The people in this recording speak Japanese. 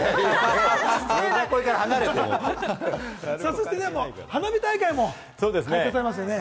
そして花火大会も開催されますよね。